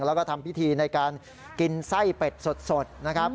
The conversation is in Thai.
แล้วก็ทำพิธีในการกินไส้เป็ดสดนะครับ